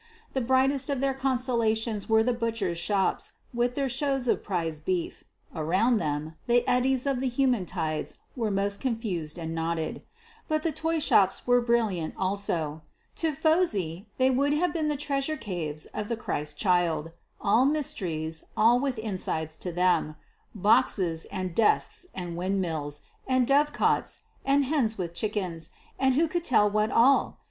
The brightest of their constellations were the butchers' shops, with their shows of prize beef; around them, the eddies of the human tides were most confused and knotted. But the toy shops were brilliant also. To Phosy they would have been the treasure caves of the Christ child all mysteries, all with insides to them boxes, and desks, and windmills, and dove cots, and hens with chickens, and who could tell what all?